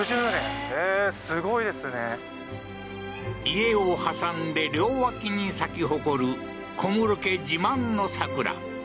家を挟んで両脇に咲き誇る小室家自慢の桜。